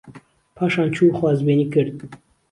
پاشان چوو خوازبێنی کرد